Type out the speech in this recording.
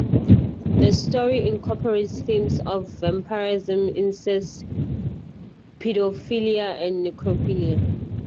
The story incorporates themes of vampirism, incest, pedophilia, and necrophilia.